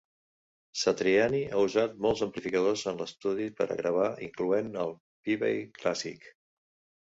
Satriani ha usat molts amplificadors en l'estudi per a gravar, incloent el Peavey Classic.